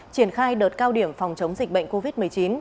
triển khai đợt cao điểm phòng chống dịch bệnh covid một mươi chín